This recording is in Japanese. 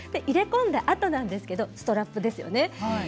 入れ込んだあとなんですがバストアップですね。